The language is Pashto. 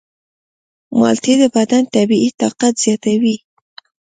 مالټې د بدن طبیعي طاقت زیاتوي.